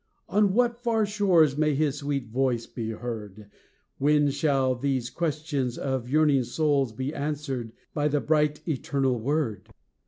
On what far shores may his sweet voice be heard? When shall these questions of our yearning souls Be answered by the bright Eternal Word?"